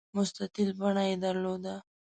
مستطیل بڼه یې درلوده.